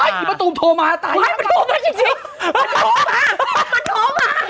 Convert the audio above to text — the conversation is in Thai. ไว้ไอ้มะตุมโทรมาตายแล้ว